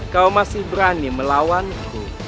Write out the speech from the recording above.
kau masih berani melawanku